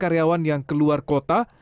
karyawan yang keluar kota